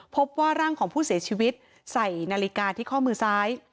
พบว่าร่างของผู้เสียชีวิตใส่นาฬิกาที่ข้อมือซ้าย